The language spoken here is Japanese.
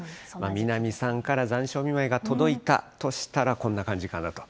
南さんから残暑見舞いが届いたとしたらこんな感じかなと。